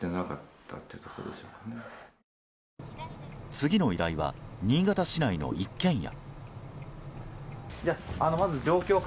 次の依頼は新潟市内の一軒家。